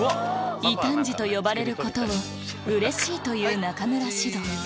「異端児と呼ばれることをうれしい」と言う中村獅童